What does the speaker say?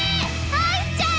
入っちゃえ！